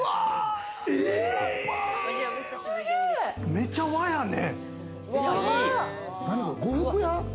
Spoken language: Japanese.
めちゃ和やね。